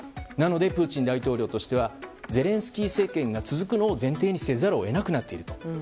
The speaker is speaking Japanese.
なので、プーチン大統領としてはゼレンスキー政権が続くのを前提にせざるを得なくなっていると。